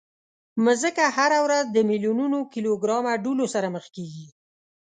مځکه هره ورځ د میلیونونو کیلوګرامه دوړو سره مخ کېږي.